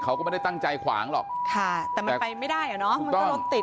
เขาก็ไม่ได้ตั้งใจขวางหรอกค่ะแต่มันไปไม่ได้อ่ะเนอะมันก็รถติด